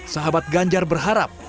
sahabat ganjar berharap